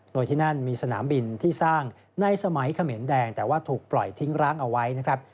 โดยที่นั่นมีสนามบินที่สร้างในสมัยเขมรแดงแต่ว่าถูกปล่อยทิ้งร้างเอาไว้นะครับ